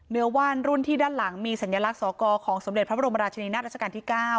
ว่านรุ่นที่ด้านหลังมีสัญลักษณ์สอกรของสมเด็จพระบรมราชนีนาฏราชการที่๙